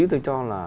tôi cho là